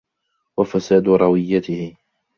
وَفَسَادُ رَوِيَّتِهِ